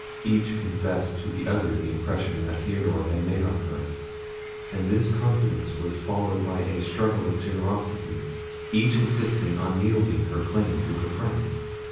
Each confessed to the other the impression that Theodore had made on her; and this confidence was followed by a struggle of generosity, each insisting on yielding her claim to her friend.